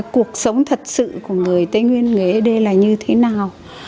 cuộc sống thật sự của người tây nguyên người ấy đê là như thế nào